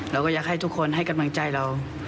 เราก็อยากให้ทุกคนให้กำลังใจเรา